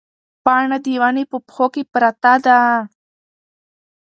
پاڼه د ونې په پښو کې پرته ده.